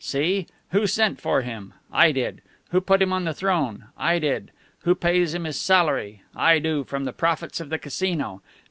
See? Who sent for him? I did. Who put him on the throne? I did. Who pays him his salary? I do, from the profits of the Casino.